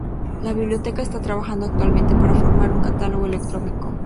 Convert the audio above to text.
La biblioteca está trabajando actualmente para forma un catálogo electrónico.